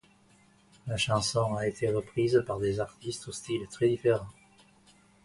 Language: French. La chanson a été reprise par des artistes aux styles très différents.